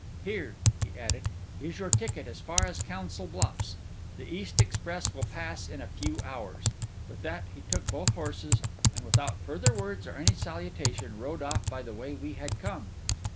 'Here,' he added, 'is your ticket as far as Council Bluffs. The East express will pass in a few hours.' With that, he took both horses, and, without further words or any salutation, rode off by the way that we had come.